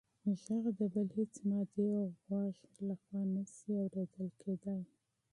غږ د بل هېڅ مادي غوږ لخوا نه شي اورېدل کېدی.